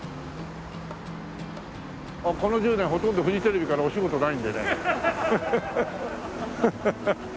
この１０年ほとんどフジテレビからお仕事ないんでね。